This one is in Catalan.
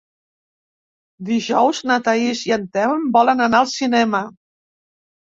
Dijous na Thaís i en Telm volen anar al cinema.